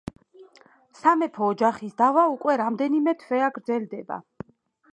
სამეფო ოჯახის დავა უკვე რამდენიმე თვეა გრძელდება.